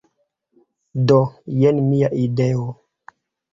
Do, jen mia ideo!